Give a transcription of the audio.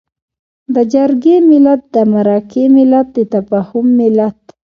د جرګې ملت، د مرکې ملت، د تفاهم ملت.